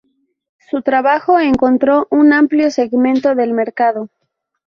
Su trabajo encontró un amplio segmento del mercado.